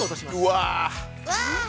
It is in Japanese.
◆うわ。